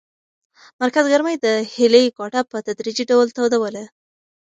مرکز ګرمۍ د هیلې کوټه په تدریجي ډول تودوله.